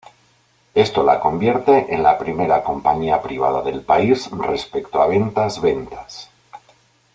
Esto la convierte en la primera compañía privada del país respecto a ventas ventas.